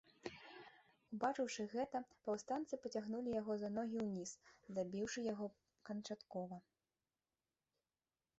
Убачыўшы гэта, паўстанцы пацягнулі яго за ногі ўніз, забіўшы яго канчаткова.